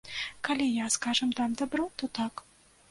Калі я, скажам, дам дабро, то так.